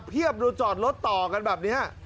เพียบดูจอดรถต่อกันแบบเนี้ย